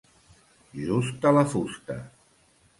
Justa la fusta!